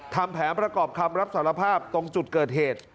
ทำแผนประกอบคำรับสารภาพตรงจุดเกิดเหตุ